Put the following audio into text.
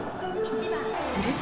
すると。